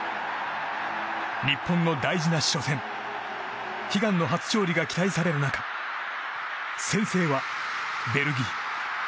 日本の大事な初戦悲願の初勝利が期待される中先制はベルギー。